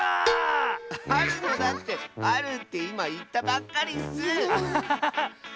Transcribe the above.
あるのだってあるっていまいったばっかりッス。